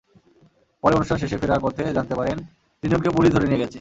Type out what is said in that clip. পরে অনুষ্ঠান শেষে ফেরার পথে জানতে পারেন তিনজনকে পুলিশ ধরে নিয়ে গেছে।